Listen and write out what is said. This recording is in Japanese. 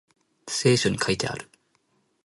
聖書に書いてある